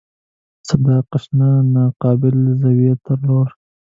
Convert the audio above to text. صدقه شه ناقابل زویه تر لوره